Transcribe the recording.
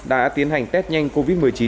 đã tiến hành test nhanh covid một mươi chín